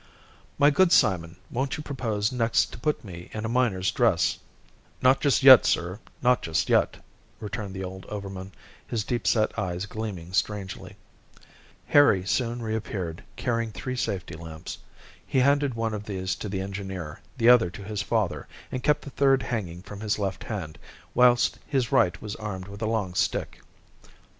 "My good Simon, won't you propose next to put me in a miner's dress?" "Not just yet, sir, not just yet!" returned the old overman, his deep set eyes gleaming strangely. Harry soon reappeared, carrying three safety lamps. He handed one of these to the engineer, the other to his father, and kept the third hanging from his left hand, whilst his right was armed with a long stick.